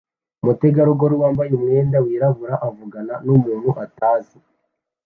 Umutegarugori wambaye umwenda wirabura avugana numuntu utazi